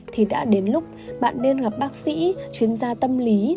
thì đã đến lúc bạn nên gặp bác sĩ chuyên gia tâm lý